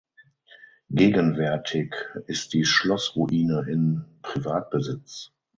Gegenwärtig ist die Schlossruine in Privatbesitz.